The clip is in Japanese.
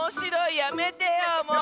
やめてよもう。